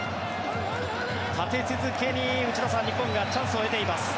立て続けに内田さん日本がチャンスを得ています。